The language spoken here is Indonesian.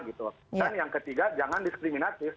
dan yang ketiga jangan diskriminatif